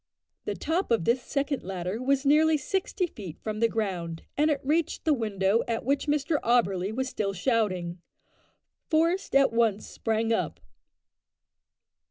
The top of this second ladder was nearly sixty feet from the ground, and it reached the window at which Mr Auberly was still shouting. Forest at once sprang up.